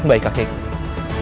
baik kakek guru